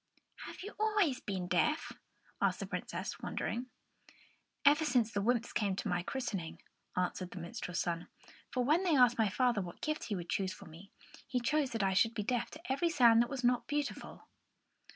"Have you always been deaf?" asked the Princess, wonderingly. "Ever since the wymps came to my christening," answered the minstrel's son. "For when they asked my father what gift he would choose for me, he chose that I should be deaf to every sound that was not beautiful."